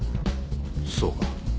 そうか。